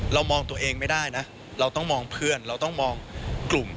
เรามองตัวเองไม่ได้นะเราต้องมองเพื่อนเราต้องมองกลุ่ม